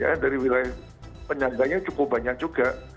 ya dari wilayah penyangganya cukup banyak juga